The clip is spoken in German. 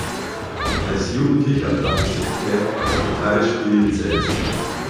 Als Jugendlicher brachte sich Kath das Gitarrespielen selbst bei.